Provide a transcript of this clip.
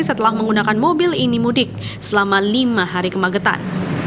setelah menggunakan mobil ini mudik selama lima hari kemagetan